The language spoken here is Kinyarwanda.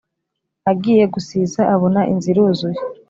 agiye gusiza abona inzu iruzuye